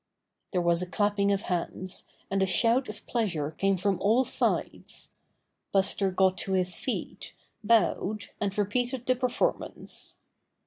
There was a clapping of hands, and a shout of pleasure came from all sides. Buster got to his feet, bowed, and repeated the perform ance.